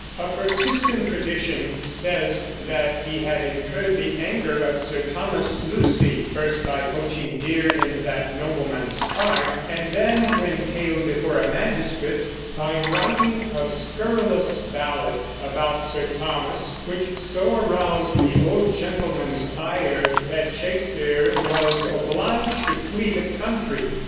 A persistent tradition says that he had incurred the anger of Sir Thomas Lucy, first by poaching deer in that nobleman's park, and then, when haled before a magistrate, by writing a scurrilous ballad about Sir Thomas, which so aroused the old gentleman's ire that Shakespeare was obliged to flee the country.